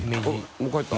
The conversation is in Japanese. もう帰った？